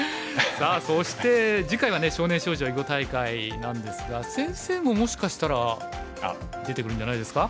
さあそして次回はね少年少女囲碁大会なんですが先生ももしかしたら出てるんじゃないですか？